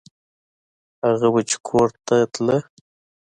هغه به چې کور ته ته.